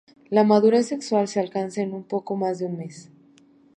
La madurez sexual se alcanza en un poco más de un mes.